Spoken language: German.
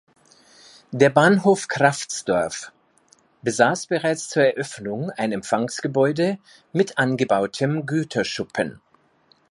Der Bahnhof Kraftsdorf besaß bereits zur Eröffnung ein Empfangsgebäude mit angebautem Güterschuppen.